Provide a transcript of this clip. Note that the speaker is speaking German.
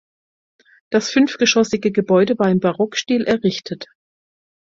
Das fünfgeschossige Gebäude war im Barockstil errichtet.